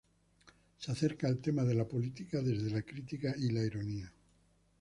Se acerca al tema de la política desde la crítica y la ironía.